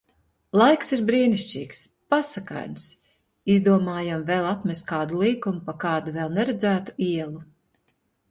Laiks ir brīnišķīgs! Pasakains! Izdomājam vēl apmest kādu līkumu pa kādu vēl neredzētu ielu.